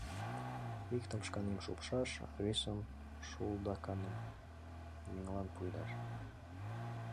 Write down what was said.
Иктым шканем шупшаш, а весым, шулдаканым, — еҥлан пуэдаш.